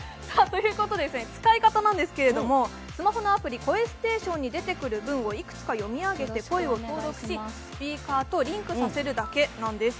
使い方なんですけれども、スマホのアプリ声ステーションに出てくるものをいくつか読み上げて、声を登録しスピーカーとリンクさせるだけなんです。